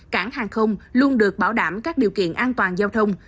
cảng hàng không luôn được bảo đảm các điều kiện an toàn giao thông